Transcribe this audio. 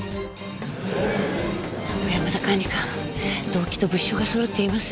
小山田管理官動機と物証がそろっています。